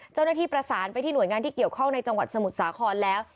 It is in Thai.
เจ้าหน้าที่ประสานไปที่หน่วยงานที่เกี่ยวข้องในจังหวัดสมุทรสาครแล้ว